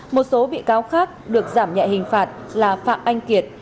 một số bị cáo khác được giảm nhẹ hình phạt là phạm anh kiệt